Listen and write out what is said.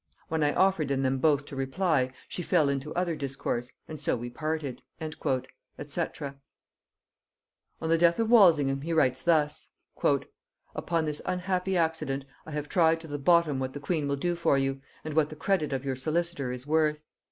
When I offered in them both to reply, she fell into other discourse, and so we parted." &c. On the death of Walsingham he writes thus.... "Upon this unhappy accident I have tried to the bottom what the queen will do for you, and what the credit of your solicitor is worth.